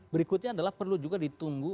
berikutnya adalah perlu juga ditunggu